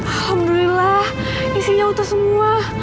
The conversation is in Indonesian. alhamdulillah isinya untuk semua